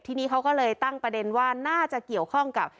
ทีนี้เขาก็เลยตั้งประเด็นว่าน่าจะเกี่ยวข้องกับ